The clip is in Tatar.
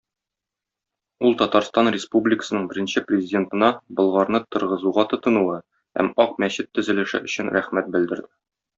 Ул Татарстан Республикасының беренче Президентына Болгарны торгызуга тотынуы һәм Ак мәчет төзелеше өчен рәхмәт белдерде.